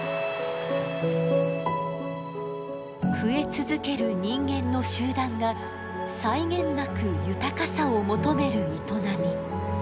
増え続ける人間の集団が際限なく豊かさを求める営み。